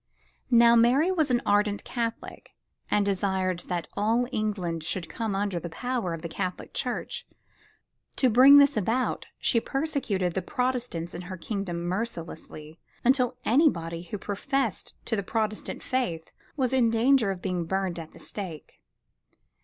Now Mary was an ardent Catholic, and desired that all England should come under the power of the Catholic Church. To bring this about she persecuted the Protestants in her kingdom mercilessly until anybody who professed to the Protestant faith was in danger of being burned at the stake.